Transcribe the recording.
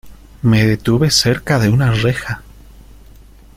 Me detuve cerca de una reja.